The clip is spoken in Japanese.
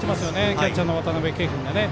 キャッチャーの渡辺憩君が。